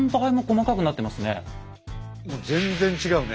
全然違うね。